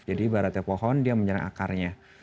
jadi baratnya pohon dia menyerang akarnya